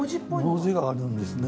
文字があるんですね。